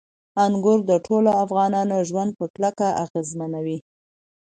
انګور د ټولو افغانانو ژوند په کلکه اغېزمنوي.